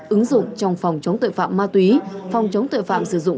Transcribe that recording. ứng dụng trong phòng chống tội phạm ma túy phòng chống tội phạm sử dụng